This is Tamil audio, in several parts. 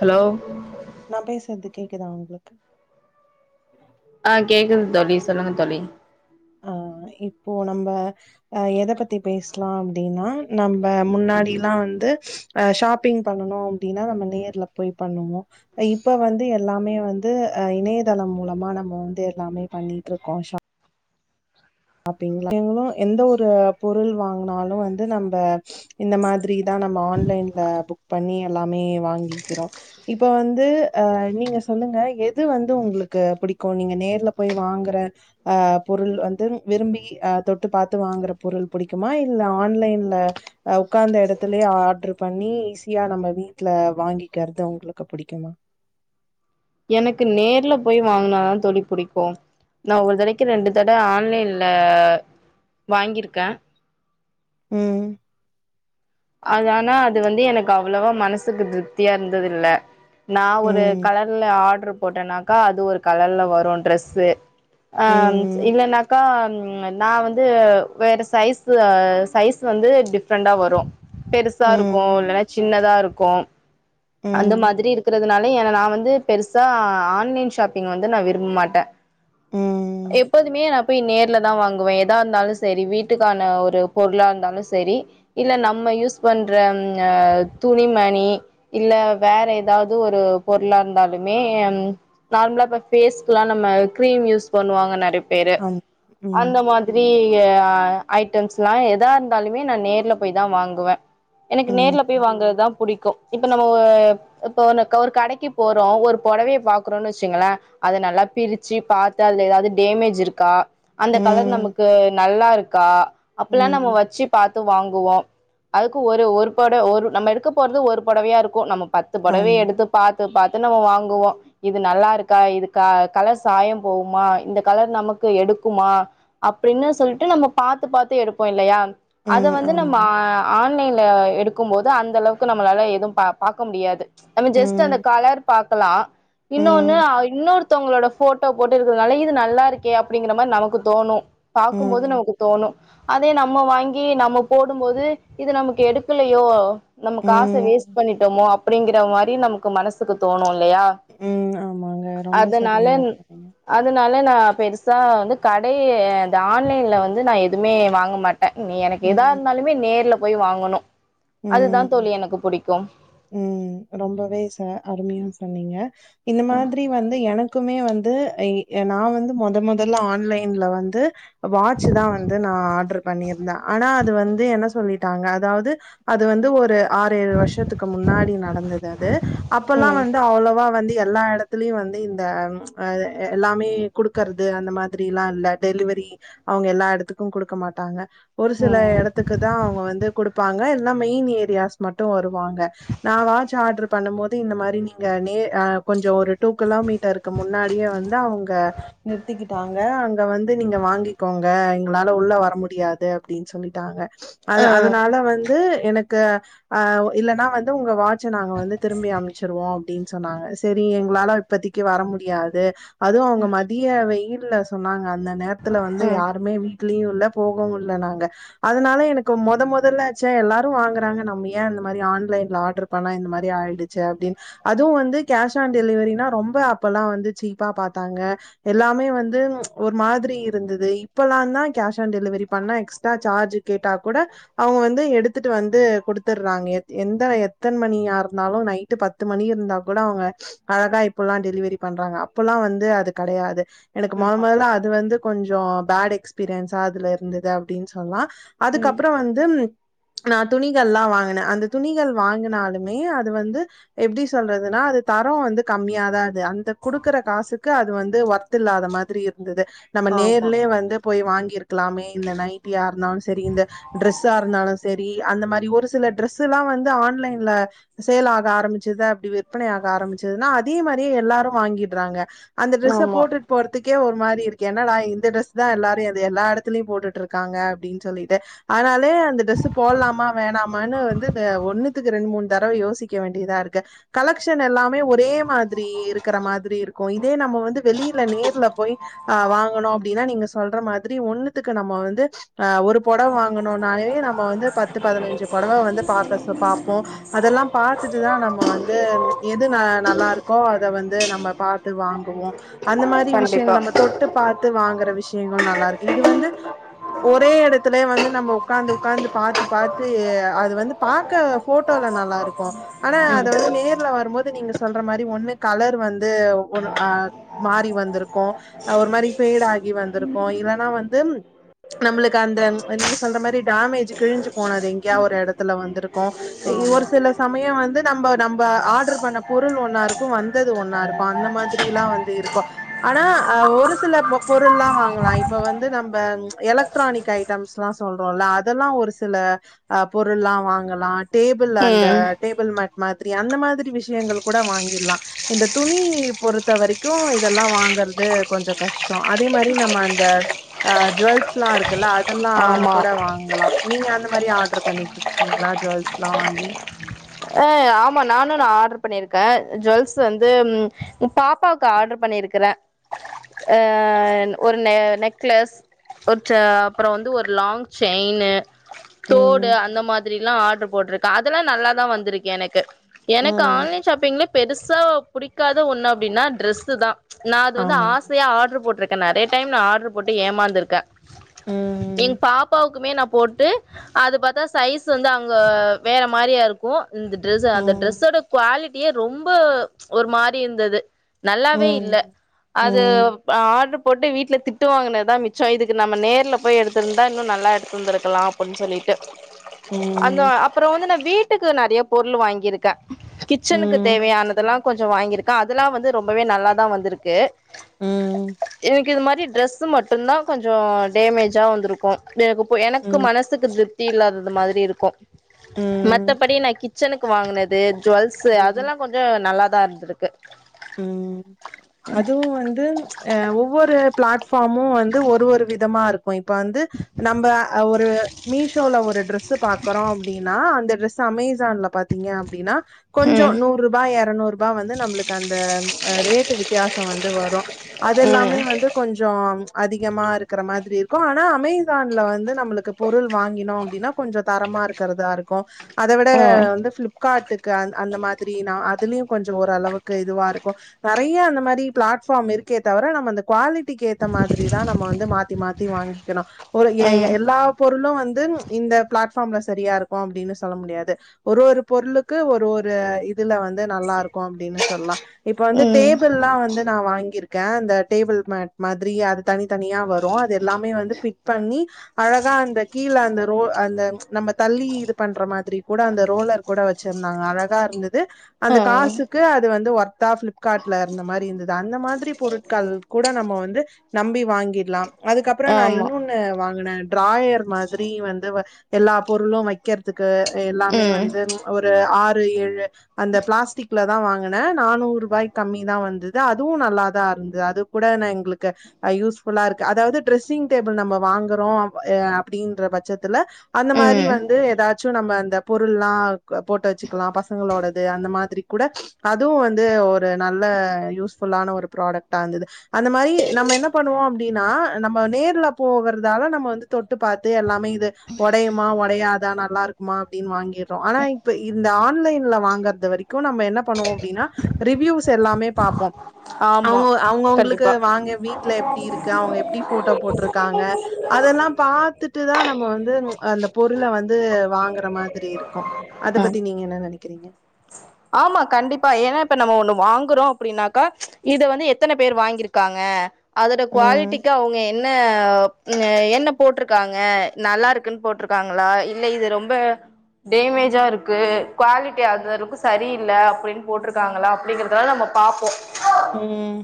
ஹலோ நா பேஸ்றது கேக்குதா உங்களுக்கு ஆஹ் கேக்து தோழி சொல்லுங்க தோழி ஆஹ் இப்போ நம்ப ஆஹ் எத பத்தி பேசலா அப்டின்னா நம்ப முன்னாடிலா வந்து அஹ் ஷாப்பிங் பண்ணனு அப்டின்னா நம்ப நேர்ல போய் பண்ணுவோ இப்ப வந்து எல்லாமே வந்து அஹ் இணையதளம் மூலமா நம்ப வந்து எல்லாமே பண்ணிட்ருக்கோ ஷாப் அப்டிங்களா இனிமே எந்த ஒரு பொருள் வாங்னாலு வந்து நம்ப இந்த மாதிரி தா நம்ப ஆன்லைன்ல புக் பண்ணி எல்லாமே வாங்கிக்கிறோ இப்போ வந்து ஆஹ் நீங்க சொல்லுங்க எது வந்து உங்களுக்கு புடிக்கு நீங்க நேர்ல போய் வாங்கற ஆஹ் பொருள் வந்து விரும்பி ஆஹ் தொட்டு பாத்து வாங்கற பொருள் புடிக்குமா இல்ல ஆன்லைன்ல உக்காந்த எடத்துலயே ஆர்டரு பண்ணி ஈஸியா நம்ப வீட்ல வாங்கிக்கறதா உங்களுக்கு புடிக்குமா எனக்கு நேர்ல போய் வாங்னாதா தோழி புடிக்கு நா ஒரு தடைக்கு ரெண்டு தட ஆன்லைன்ல வாங்கிருக்க உம் அதனால அது வந்து எனக்கு அவ்ளவா மனசுக்கு த்ருப்தியா இருந்ததுயில்ல நா ஒரு ம். கலர்ல ஆர்டரு போட்டேனாக்க அது ஒரு கலர்ல வரும் ட்ரெஸ்ஸு ஆ ம்ச் ம். இல்ல நா க்கா நா வந்து வேற சைஸு சைஸு வந்து டிஃப்ரெண்டா வரு பெருசா இருக்கூ ம். இல்லன்னா சின்னதா இருக்கூ அந்த ம். மாதிரி இருக்றதுனால ஏனா நா வந்து பெருசா ஆன்லைன் ஷாப்பிங் வந்து நா விரும்ப மாட்டே ம். ம். எப்போதுமே நா போய் நேர்லதா வாங்குவே எதா இருந்தாலு செரி வீட்டுக்கான ஒரு பொருளா இருந்தாலு செரி இல்ல நம்ப யூஸ் பண்ற அ துணிமணி இல்ல வேற எதாவ்து ஒரு பொருளா இருந்தாலுமே நார்மலா இப்ப பேஸ்கெல்லா நம்ப க்ரீம் யூஸ் பண்ணுவாங்க நெறைய பேரு ஆமா. ம். அந்த மாதிரி ஆ ஐட்டெம்ஸ்லா எதா இருந்தாலுமே நா நேர்ல போய் தா வாங்குவே எனக்கு நேர்ல ம். போய் வாங்கற்தா புடிக்கு இப்ப நம்ம இப்ப ஒ ஒரு கடைக்கு போறோ ஒரு பொடவய பாக்றோன்னு வெச்சுங்ளே அத நல்லா பிரிச்சி பாத்து அதுல எதாது டேமேஜ் இருக்கா அந்த கலர் ம். நமக்கு நல்லா இருக்கா அப்பிலா நம்ப ம். வச்சி பாத் வாங்குவோ அதுக்கு ஒரு ஒரு பொடவ ஒரு நம்ப எடுக்க போறது ஒரு பொடவையா இருக்கு நம்க் பத்து பொடவய ஆமா. எடுத்து பாத்து பாத் நம்ம வாங்குவோ இது நல்லா இருக்கா இது கலர் சாயம் போகுமா இந்த கலர் நமக்கு எடுக்குமா அப்பிடின்னு சொல்லட்டு நம்ம பார்த்து பார்த்து எடுப்போ இல்லையா அத ம். வந்து நம்ம ஆமா. ஆன்லைன்ல எடு க்கும் போது அந்த அளவுக்கு நம்மளால எது தத்து பா பாக்க முடியாது நம்ம ஜஸ்ட் ம். அந்த கலர் பாக்கலா இன்னொன்னு ம். இன்னொருத்தவங்ளோட போட்டோ போட்டு இருக்கிறனால இது நல்லா இருக்கே அப்பிடிங்கிற மாதிரி நமக்கு தோணு பாக்கும்போது ம். நமக்கு தோணு அதே நா நம்ம வாங்கி நம்ம போடும்போது இது நமக்கு எடுக்குலியோ நம்ம காச ம். வேஸ்ட் மோ அப்பிடிங்கிற மாரி நமக்கு மனசுக்கு தோணு இல்லையா ம். ஆமாங்க. ரொம்ப அதனால சரியா சொன்னீங்க. அதனால நா பெருசா வந் கடை ஆன்லைன்ல வந்து நா எதுவுமே வாங்க மாட் ட நீ எனக்கு எதா ம். இருந்தாலுமே நேர்ல போய் வாங்கணு அதுதா ம். தோழி எனக்கு புடிக்கு க்கு ம் ரொம்பவே ச அருமையா சொன்னீங்க இந்த மாதிரி வந்து எனக்குமே வந்து எ நா வந்து மொதன் மொதல்ல ஆன்லைன்ல வந்து வாட்ச்சு தா வந்து நா ஆட்ரு பண்ணியிருந்தே ஆனா அது வந்து என்ன சொல்லிட்டாங்க அதாவது அது வந்து ஒரு ஆறு ஏழு வருஷத்துக் முன்னாடி நடந்தது அது அப்போலா ம் வந்து அவ்ளோவா வந்து எல்லா இடத்துலயும் வந்து இந்த அ எல்லாம் மே குடுக்கறது அந்த மா திரி எல்லாம் இல்ல டெலிவரி அவங்க எல்லா இடத்துக்கும் குடுக்கமாட்டாங்க ஒரு சில ம் இடத்துக்கு தான் அவங்க வந்து குடு பாங்க எல்லா மெயின் ஏரியாஸ் மட்டும் வருவாங்க நான் வாட்ச் ஆர்டர் பண்ணும் போது இந்த மாதிரி நீங்க நே அஹ் கொஞ்சம் ஒரு டூ கிலோமீட்டருக்கு முன்னாடியே வந்து அவுங்க நிறுத்திக்கிட்டாங்க அங்க வந்து நீங்க வாங்கிக்கோங்க எங்களால உள்ள வர முடியாது அப்பிடின்னு சொல்லிட்டாங்க அது ஆ அதனால வந்து எனக் க இல்லனா வந் து உங்க வாட்சை நாங்க வந்து திரும்பி அமைச்சிருவோம் அப்பிடின்னு சொன்னாங்க செரி எங்களால இப்பத்தக்கு வர முடியாது அதுவும் அவங்க மதிய வெயில் இல்ல சொன்னாங்க அந்த நேரத்துல வந்து ம் யாருமே வீட்லயு இல்ல போகவும் இல்ல நாங்க அதனால எனக்கு மொத முதலாச்சே எல்லாரும் வாங்குறாங்க நம்ம ஏன் அந்த மாரி ஆன்லைன் ஆடர் பண்ணா இந்த மாதிரி ஆயிடுது ச அப்டினு அதுவும் வந்து கேஷ் ஆன் டெலிவெரினா ரொம்ப அப்பலா வந்து சீப்ப பாத்தாங்க எல்லாமே வந்து ஒரு மாதிரி இருந்தது இப்பலாம் கேஷ் ஆன் டெலிவரி பண்ணா எக்ஸ்ட்ரா சார்ஜ் கேட்ட கூட அவங்க வந்து எடுத்துட்டு கொடுத்துராங்க என் எத்தன மணியா இருந்தாலு நை - ட்டு பத்து மணி இருந்தா கூட அவங்க அழகா இப்பல்லா டெலிவெரி பண்றாங்க அப்பல்லாம் வந்து அது கெடையாது எனக்கு மொத ஆமா மொதல்ல அது வந்து கொஞ்சோ பேட் எக்ஸ்பீரியன்ஸா அதுல இருந்துது அப்டினு சொண்ண ம் அதுக்கப்பறோ வந்து நா துணிகள்லா வாங்குனே அந்த துணிகள் வாங்கினாலுமே அது வந்து எப்டி சொல்றதுன்னா அது தரோ வந்து கம்மியாதான் இருக் அந்த குடுக்குற காசுக்கு அது வந்து ஒர்த் இல்லாத மாதிரி இருந்துது நம்ம ஆமா நேர்லே வந்து போய் வாங்கியிருக்கலாமே இந்த நைட்டிய இருந்தாலும் செரி இந்த ட்ரெஸ்ஸா இருந்தாலும் செரி அந்த மாரி ஒரு சில டிரெஸ்ல்லா வந்து ஆண் ஆன்லைன்ல சேல் ஆக ஆரம்பிச்சது அப்படி விற்பனையாக ஆரம்பிச்சிதுன்னா அதே மாரியே எல்லாரும் வாங்கிடுறாங்க அந்த டிரெஸ்ஸ ஆமா போட்டுட்டு போறதுக் கே ஒரு மாரி இருக்கு என்னடா இந்த டிரஸ் தான் எல்லாரையும் அத எல்லா இடத்துலையு போட்டுட்டு இருக்காங்க அப்படின்னு சொல்லிட்டு ஆனால வே அந்த ட்ரெஸ் போடலாமா வேணாமனு வந்து த ஒன்னு மூணு தடவ யோசிக்க வேண்டியதா இருக்கு கலெக்ஷன் எல்லாமே ஒரே மாதிரி இருக்கிற மாதிரி இருக்கும் இதே நம்ம வந்து வெளியில நேர்ல போய் அஹ் வாங்கணும் அப்படின்னா நீங்க சொல்ற மாத் மாதிரி ஒண்ணுத்துக்கு நம்ம வந்து ஆஹ் ஒரு பொடவை வாங்கணுனாலே நம்ம வந்து பத்து பதினைஞ்சு பொடவை வந்து பாக்க பாப்போம் அதெல்லா பாத்துட்டுதா நம்ம வந்து எது ந நல்லா இருக்கோ அத வந்து நம்ம பாத்து வாங்குவோம் அந்த மாதிரி கண்டிப்பா விஷயங்கள் நம்ம தொட்டு பாத்து வாங்குற விஷயங்கள் நல்லா இருக்கு இது வந்து ஒரே எடத்துலே வந்து நம்ம உக்காந்து உக்காந்து பாத்து பாத்து அது வந்து பா க்க போட்டோல நல்ல நல்லாருக்க ஆனா ம் அது வந்து நேர்ல வரும்போது நீங்க சொல்ற மாரி ஒன் கலர் வந்து ஓவொன் அஹ் மாறி வந்திருக்கும் அஹ் ஒரு மாரி பேஃட் ஆகி வந்திருக்கு இல்லன்னா வந்து நம்மளுக்கு அந்த நீங்க சொல்ற மாரி டமேஜ் கிழி்ஞ்சு போனது எங்கேயா ஒரு எடத்துல வந்து க்கு ஒரு சில சமயம் வந்து நம்ப - நம்ப ஆர்டர் பண்ண பொருள் ஒண்ணாருக்கு வந்தது ஒன்னாருக்கு அந்த மாதிரில்லா வந்து இருக்கு ஆனா அ ஒரு சில பொருள்லாம் வாங்கலாம் இப்ப வந்து நம்ம எலக்ட்ரானிக்ஸ் ஐட்டம்ஸ்ல்லா சொல்றோம்ல்ல அதெல்லா ஒரு சில அஹ் பொருள்ல்லா வாங் லாம் டேபிள் அந்த ம் டேபிள் மேட் மாதிரி அந்த மாதிரி விஷயங்கள் கூட வாங்கிட்லா இந்த துணி பொறுத்த வரிக்கு இதெல்லா வாங்கர்து கொஞ்ச கஷ்டம் அதே மாரி நம்ம அந்த ஆஹ் ஜுவல்ஸ்லா இருக்குல அதெல்லா ஆமா கூட வாங்கலா நீங்க அந்த மாரி ஆர்டர் பண்ணி இருக்கீ ங்களா ஜுவல்ஸ்லா வாங்கி ஆ ஆமா நானு நா ஆடர் பண்ணிருக்க ஜுவல்ஸ் வந்து உ பாப்பாவுக்கு ஆட்ரு பண்ணிருக்கற ஹ ஒரு நெ நெக்லஸ் ஒரு ச அப்பற வந்து ஒரு லாங் செயின்னு தோடு ம் அந்த மாதிரில்லா ஆ போட்டிருக்கா அதெல்லா நல்லாதா வந்திருக்கு என் -க்கு எனக்கு ம் ஆன்லைன் ஷாப்பிங்லே பெருசா புடிக்காத ஒண்ணு அப்டின்னா டிரரெஸ்சு தா நா அது வந்து ஆமா ஆசையா ஆட்ரு போட்டிருக்க நறய - ய டைம் நா ஆட்ரு போட்டு ஏமாந்துருக்க எங் ம் பாப்பாவுக்குமே நா போட்டு அது பார்த்தா சைஸ் வந்து அங்க வேற மாரியா இருக்கு இந் ஸ் அந்த ம் டிரஸ்ஸோட குவா எ ரொம்ப ஒரு மாறி இருந்தது நல்லாவே இல்ல ம் அது ம் ஆர் போட்டு வீட்ல திட்டு வாங்கினதா மிச்ச இதுக்கு நம்ம நேர்ல போய் எடுத்துருந்தா இன்னு நல்லா எடுத்துருந்துருக்கலா அப்படினு சொல்லிட்டு ம் அந்த ம் அப்பற வந்து நா வீட் ட்டுக்கு நறைய பொருள் வாங்கியிருக்க கிச்சனுக்கு தேவையானதெல்லா கொஞ்ச வாங்கியிருக்கா அதெல்லா வந்து ரொம்பவே நல்லாதா வந்துருக்கு ம் [inaudible] இது மாரி ட்ரெஸ் மட்டுந்தா கொஞ்சொ டேமேஜா வந்துருக்கு கு எனக்கிப்போ எனக்கு மனசுக்கு திருப்தி இல்லாதது மாரி திருக்கும் ம் மத்த படினகி கிச்சனுக்கு வாங்குனது ஜொல்ஸ்சு ம் அதெல்லா கொஞ்ச நல்லா இதாருந்துருக்கு. ம் அதுவும் வந்து அ ஒவ்வொரு ஃப்ளாட்ஃபார்மு வந்து ஒரு ஒரு விதமா இருக் போ இப்ப வந்து நம்ப ஒரு மீஷோல ஒரு ட்ரெஸ் பாக்குறோ அப்டின்னா அந்த ட்ரெஸ் சமேஸ் இன்ஸ்டால பாத்தீங்க அப்டின்னா கொஞ்சோ ம் நூற்ருபா எரநூற்ருபா வந்து நம்மளுக் அந்த ரேட்டு வித்யாசோ வந்து வரு அதெல்லாமே ம் வந்து கொஞ்சோ அ அதிகமாருக்குற மாதிரி இருக்கு ஆனா அமேசான்ல வந்து நம்மளுக்கு பொருள் வாங்கினோ அப்டின்னா கொஞ்சோ தரமா இருக்கறதா இருக்கும். அத விட ஓ வந்து ப்ளிப் காட்டுக்கு அ அந்த மாதிரி நா அதுலையு கொஞ்சோ ஓரளவு இதுவா இருக்கும் நெறையா அந்த மாரி ஃப்ளாட்ஃபாம் இருக்கே தவர நம்ம அந்த குவாலிட்டிக்கு ஏத்த மாதிரி தா நம்ம வந்து மாத் த்தி மாத்தி வாங்கிக்கணு. ஒரு ம் எ-எ-எல்லா பொருளும் வந்து இந்த ப்ளாட் ல சரியா இருக்கும் அப்டின்னு சொல்ல முடியாது ஒரு ஒரு பொருளுக்கு ஒரு ஒரு இத் இதுல வந்து நல்லா இருக்கு அப்டின்னு தெல்லா இப்ப வந்து ம் டேபிள்ல்லா வந்து நா வாங்கியிருக் கே இந்த டேபிள் மேட் மாதிரி அது தனி தனியா வரு அது எல்லாமே வந்து பிட் பண்ணி அழகா அந்த கீழ அந்த ரோ அந்த நம்ம தள்ளி இது பண்ற மாதிரி கூட அந்த ரோலர் கூட வச்சிருந்தாங்க அழகா இருந்துது. து ஆ அந்த காசுக்கு அ வந்து வொர்த்தா பிளிப்கார்ட்ல இருந்த மாரி இருந்தது அந்த மாதிரி பொருட்கள் கூட நம்ம வந்து நம்பி வாங்கிடலாம். அதுக்கப்பறோ நா ஆமா இன்னொன்னு வாங்குனே. ஃட்ராயர் மாதிரி வந்து எல்லா வ பொருளும் வைக் வக்கிறதுக்கு எல்லாமே ம் வந்து ஒரு ஆறு ஒரு ஏழு அந்த பிளாஸ்டிக்ல தா வாங் குனே நானூறு ரூபாய்க்கு கம்மி தா வந்துது அதுவும் நல்லா தா இருந்துது அது கூட நா எங்களுக்கு யூஸ் ஃபுல்லா இருக்கு அதாவது ட்ரெஸ்ஸிங் டேபுள் நம்ம வாங்குறோ அ அப்டின்ற பட்சத்துல அந்த மாரி ம் வந்து எதாச்சும் நம்ம அந்த பொருள்லா போட்டு வச்சுக்கலா பசங்களோடது அந்த மா த்ரி கூட அதுவு வந்து ஒரு நல்ல யூஸ்ஃபுல்லான ஒரு ப்ராடக்ட்டா இருந்துது அந்த மாரி நம்ம என்ன பண்ணுவோ அப்டின்னா நம்ம நேர்ல போகறதால நம்ம வந்து தொட்டு பாத்து எல்லாமே இது ஒடையுமா ஒடையாதா நல்லா இருக்குமா அப்டின்னு வாங்கிட்றோ ஆனா இப்போ இந்த ஆன்லைன்ல வாங்குறது வரைக்கும் நம்ம என்னப் பண்ணுவோ அப்டின்னா ரிவியூஸ் எல்லாமே பாப்போம். ஆமா அவுங்கோ அவுங்கவுங்களுக்கு கண்டிப்பா வாங்க வீட்டுல எப்டி இருக்கு அவங்க எப்டி போட்டோ போட்ருக்காங்க அதெல்லா பாத்துட்டுதா நம்ம வந்து அந்த பொருளை வந்து வாங்குற மாதிரி இருக்கும் அத ஆ பத்தி நீங்க என்ன நெனக்கிறீங்க. ஆமா கண்டிப்பா ஏன்னா இப்ப நம்ம ஒண்ணு வாங்குறோ அப்புடின்னாக்கா இது வந்து எத்தன பேர் வாங்கிருக்காங்க. அதோட ம். குவாலிட்டிக்கு அவங்க என் [unintelligible] என் என்ன போட்ருக்காங்க நல்லா இருக்குன்னு போட்ருக்காங்களா இல்ல இது ரொம்ப டேமேஜா இருக்கு குவாலிட்டி அது லுக்கு சரியில்ல அப்படின்னு போட்ருக்காங்களா அப்படிங்கறதலா நம்ம பார்ப்போம் ம்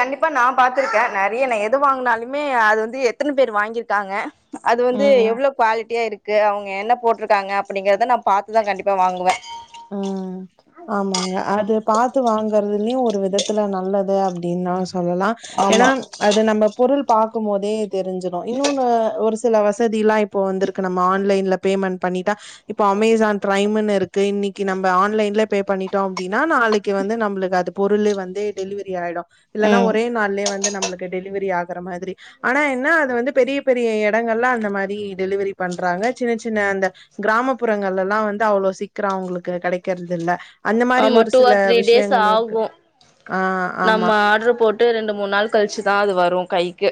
கண்டிப்பா நான் பாத்திருக்கேன் நிறைய நான் எது வாங்கினாலுமே அது வந்து எத்தனை பேர் வாங்கிருக்காங்க அது வந்து ம். எவ்ளோ குவாலிட்டியா இருக் க்கு அவங்க என்ன போட்ருக்காங்க அப்படிங்கறத நான் பாத்துதான் கண்டிப்பா வாங்குவே ம்ம் ஆமங்க அது பாத்து வாங்கறதுலயும் ஒரு வெத்துல நல்லது [unintelligible] அப்டின்னா சொல்லலாம் ஏன்னா ஆமா அது நம்ம பொருள் பாக் கு மோதே தெரிஞ்சிடும் இன்னொன்னு ஒருஸ் சில வசதி இல்லாம் இப்போ வந்துருக் நம்ம ஆன்லைன்ல பேமன் பண்ணிட்டா இப்ப அமேசான் பிரைம்னு இருக்கு இன்னைக் இன்னைக்கு நம்ப ஆன்லைன்ல பே பண்ணிட்டோம் அப்டின்னா நாளைக்கு வந்து நம்மளுக்கு அது பொருளு வந்து டெலிவரி ஆயிடும் இல்லன்னா ம் ஒரே நாள்லயே வந்து நம்மளுக்கு டெலிவரி ஆக வரமாதிரி ஆனா என்ன அத வந்து பெரிய பெரிய எடங்கள்ல அந்த மாதிரி டெலிவரி பண்றாங்க சின்ன சின்ன அந்த கிராமப்புறங்கள்லல்லாம் வந்து அவ்ளோ சிக்கிரம் அவங்களுக்கு கெடைக்கிறது இல்ல அந்த மாரி ஆமா ஒரு டூ சில ஆர் த்ரீ டேஸ் விஷயங்களு இருக்கு ஆகும் ஆ ஆமா நம்ம ஆர்டரு போட்டு ரெண்டு மூணு நாள் கழிச்சுதான் அது வரும் கைக்கு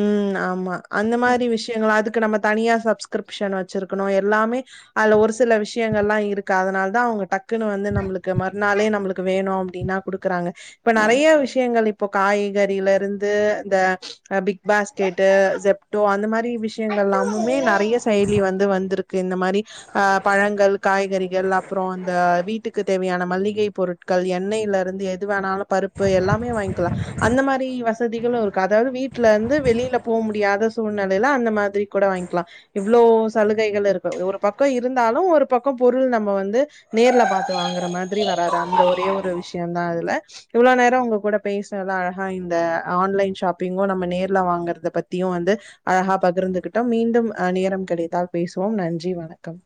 ம். ஆமா அந்த மாரி விஷயங்கள அதுக்கு நம்ம தனியா சப்ஸ்கிரிப்ஷன் வச்சிருக்கணும் எல்லாமே அதுல ஒரு சில விஷயங்கல்லா இருக்கு க்குஅதனால தான் அவங்க டக் க்குன்னு வந்து நம்மளுக்கு மறுநாளே நம்மளுக்கு வேணும் அப்டினா குடுக்குறாங்க இப்ப ம் நிறைய விஷயங்கள் இப் இப்போ காய்கறில இருந்து அந்த [unintelligible] பாஸ்கெட்டு ஜப்டோ அந்த மாரி விஷயங்கள் எல்லாமுமே நிறைய செயலி வந்து வந்திருக்கு இந்த மாரி ஆ பழங்கள் காய்கறி அப்புறம் இந்த வீட்டுக்கு தேவையான மளிகை பொருட்கள் எண்ணெய்ல இருந்து எது வேணாலும் பருப்பு எல்லாமே வாங்கிக்கலாம் அந்த மாரி வசதிகள் ஒரு அதாவது வீட் ல இருந்து வெளில போக முடியாத சூழ்நிலையில அந்த மாதிரி கூட வாங்கிலா இவ்ளோ சலுகைகள் இருக்கு ஒரு பக்கோ இருந்தாலு ஒரு பக்கோ பொரு பொருள் நம்ம வந்து நேர்ல பாத்து வாங்கற மாதிரி வராது அந்த ஒரே ஒரு விஷயோ தா அதுல இவ்ளோ நேரோ உங்க கூட பேசுறத அழகா இந்த ஆன்லைன் ஷாப்பிங்கு நம்ம நேர்ல வாங்குறத பத்தியு வந்து அழகா பகிர்ந்துகிட்டோம் மீண்டும் அ நேரம் கிடைத்தால் பேசுவோம் நன்றி வணக்கம்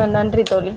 அ நன்றி தோழி